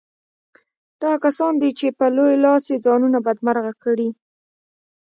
دا هغه کسان دي چې په لوی لاس یې ځانونه بدمرغه کړي